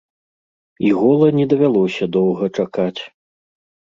І гола не давялося доўга чакаць.